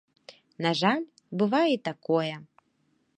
На жаль, бывае і такое.